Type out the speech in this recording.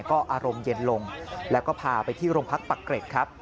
ก็อารมณ์เย็นลงแล้วก็พาไปที่โรงพักปักเกร็ดครับ